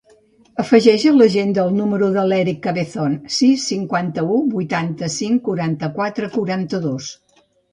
Afegeix a l'agenda el número de l'Erick Cabezon: sis, cinquanta-u, vuitanta-cinc, quaranta-quatre, quaranta-dos.